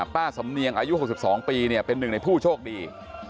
ป้าสำเนียงอายุ๖๒ปีเป็นหนึ่งในผู้โชคดี